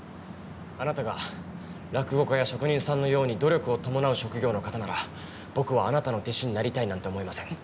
あなたが落語家や職人さんのように努力を伴う職業の方なら僕はあなたの弟子になりたいなんて思いません。